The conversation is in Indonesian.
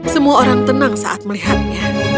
semua orang tenang saat melihatnya